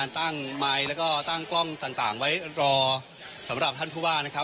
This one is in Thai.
ตั้งไมค์แล้วก็ตั้งกล้องต่างไว้รอสำหรับท่านผู้ว่านะครับ